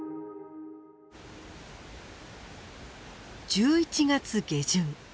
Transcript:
１１月下旬。